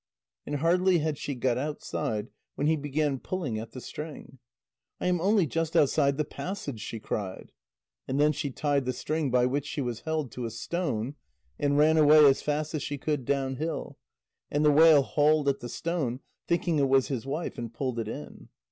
And hardly had she got outside when he began pulling at the string. "I am only just outside the passage," she cried. And then she tied the string by which she was held, to a stone, and ran away as fast as she could down hill, and the whale hauled at the stone, thinking it was his wife, and pulled it in.